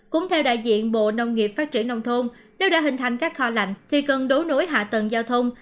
cũng theo đại diện bộ nông nghiệp phát triển nông thôn nếu đã hình thành các kho lạnh thì cần đấu nối hạ tầng giao thông